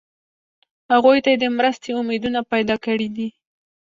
هغوی ته یې د مرستې امیدونه پیدا کړي دي.